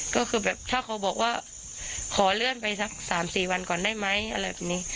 ก็คือแบบถ้าเขาบอกว่าขอเลื่อนไปสัก๓๔วันก่อนได้ไหมอะไรแบบนี้